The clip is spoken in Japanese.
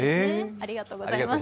ありがとうございます